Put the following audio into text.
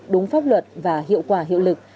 đúng pháp luật và hiệu quả hiệu lực